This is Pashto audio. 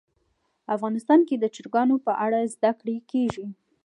افغانستان کې د چرګان په اړه زده کړه کېږي.